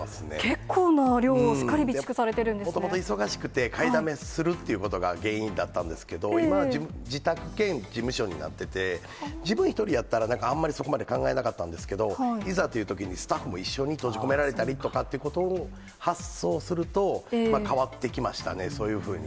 結構な量をしっかり備蓄されもともと忙しくて、買いだめするってことが原因だったんですけど、今は自宅兼事務所になってて、自分１人やったら、なんかあんまりそこまで考えなかったんですけど、いざというときに、スタッフも一緒に閉じ込められたりってことを発想すると、変わってきましたね、そういうふうに。